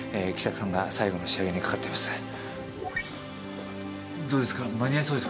喜作さんが最後の仕上げにかかっています。